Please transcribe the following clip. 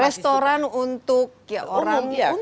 restoran untuk orang